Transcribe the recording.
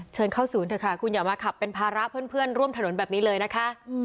เชิญเข้าศูนย์เถอะค่ะคุณอย่ามาขับเป็นภาระเพื่อนร่วมถนนแบบนี้เลยนะคะ